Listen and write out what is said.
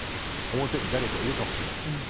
「表に誰かいるかもしれない」。